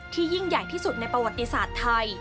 ยิ่งใหญ่ที่สุดในประวัติศาสตร์ไทย